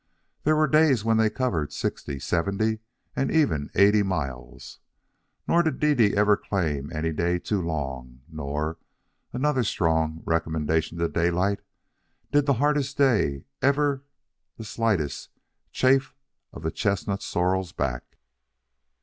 There were days when they covered sixty, seventy, and even eighty miles; nor did Dede ever claim any day too long, nor another strong recommendation to Daylight did the hardest day ever the slightest chafe of the chestnut sorrel's back.